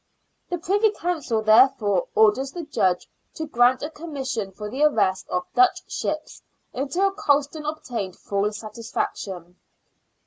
The Privy Council therefore orders the Judge to grant a commission for the arrest of Dutch ships until Colston obtained fulFsatisf action.